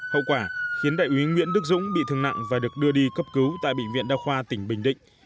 hậu quả khiến đại úy nguyễn đức dũng bị thương nặng và được đưa đi cấp cứu tại bệnh viện đa khoa tỉnh bình định